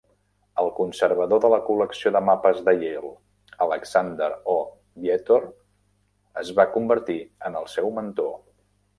El conservador de la col·lecció de mapes de Yale, Alexander O. Vietor, es va convertir en el seu mentor.